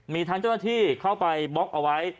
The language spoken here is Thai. มีทั้งเจ้าหน้าที่เข้าไปบล็อกเอาไว้